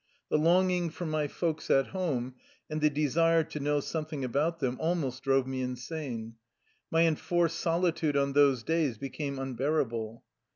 The longing for my folks at home and the desire to know something about them almost drove me insane. My en forced solitude on those days became unbearable.